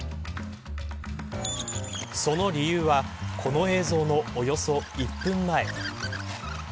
その理由はこの映像の、およそ１分前。